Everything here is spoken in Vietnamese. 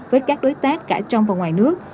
với các đối tác cả trong và ngoài nước